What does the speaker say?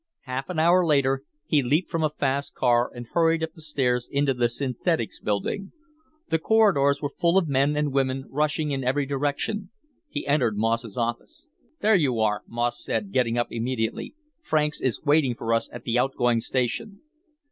Half an hour later, he leaped from a fast car and hurried up the stairs into the Synthetics Building. The corridors were full of men and women rushing in every direction. He entered Moss's office. "There you are," Moss said, getting up immediately. "Franks is waiting for us at the outgoing station."